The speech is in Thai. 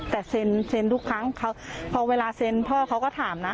แต่เซ็นทุกครั้งพอเวลาเซ็นพ่อเขาก็ถามนะ